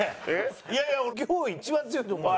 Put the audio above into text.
いやいや今日一番強いと思うよ。